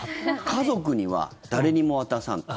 家族には誰にも渡さんと。